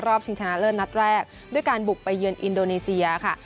ชิงชนะเลิศนัดแรกด้วยการบุกไปเยือนอินโดนีเซียค่ะ